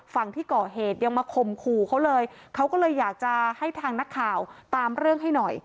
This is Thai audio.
ฝั่งที่ก่อเหตุยังมาข่มขู่เขาเลยเขาก็เลยอยากจะให้ทางนักข่าวตามเรื่องให้หน่อย